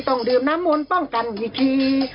ต้องดื่มน้ำมนต์ป้องกันวิธี